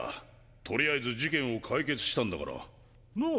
とりあえず事件を解決したんだから。なぁ？